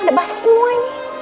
udah basah semua ini